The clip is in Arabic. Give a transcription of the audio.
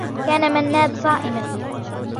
كان منّاد صائما.